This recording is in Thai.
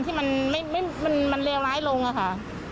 ที่มันเรียวร้ายลงค่ะ